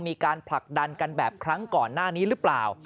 มีการผลักดันกันแบบครั้งก่อนหน้านี้หรือเปล่า